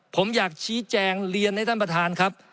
ผมอยากชี้แจงเรียนให้ท่านประธานครับ